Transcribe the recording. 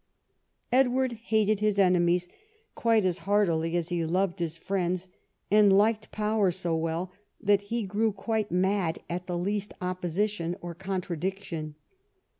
Edward hated his enemies quite as heartily as he loved his friends, and liked power so well that he grew quite mad at the least opposition or contradiction.